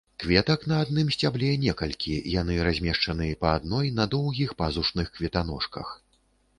Кветак на адным сцябле некалькі, яны размешчаны па адной на доўгіх пазушных кветаножках.